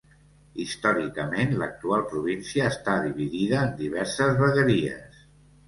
Històricament l'actual província estava dividida en diverses vegueries.